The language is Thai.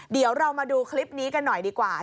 เดี๋ยวเรามาดูคลิปนี้กันหน่อยดีกว่า